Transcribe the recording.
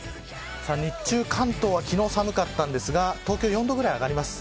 日中、関東は寒かったんですが東京、４度くらい上がります。